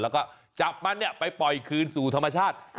แล้วก็จับมันไปปล่อยคืนสู่ธรรมชาติ